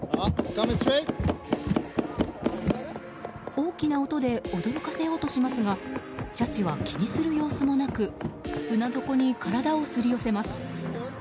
大きな音で驚かせようとしますがシャチは気にする様子もなく船底に体をすり寄せます。